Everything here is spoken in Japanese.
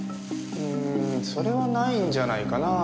うんそれはないんじゃないかなぁ。